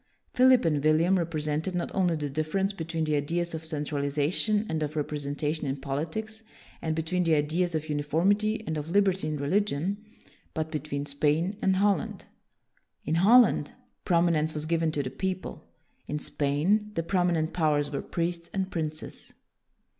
Philip and William represented, not only the difference between the ideas of centralization and of representation in poli tics, and between the ideas of uniformity 174 WILLIAM THE SILENT and of liberty in religion, but between Spain and Holland. In Holland, promi nence was given to the people; in Spain, the prominent powers were priests and princes.